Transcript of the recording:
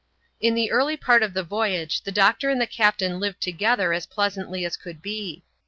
In the early part of the voyage the doctor and the captain Jived together as pleasantly as could be.